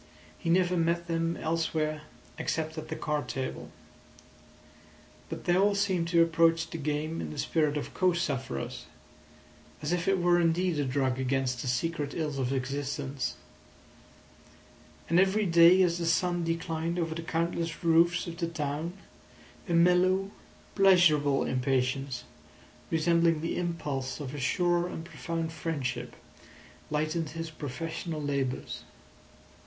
He never met them elsewhere except at the card table. But they all seemed to approach the game in the spirit of co sufferers, as if it were indeed a drug against the secret ills of existence; and every day as the sun declined over the countless roofs of the town, a mellow, pleasurable impatience, resembling the impulse of a sure and profound friendship, lightened his professional labours.